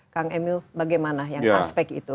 kang emil bagaimana yang aspek itu